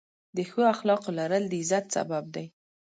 د ښو اخلاقو لرل، د عزت سبب دی.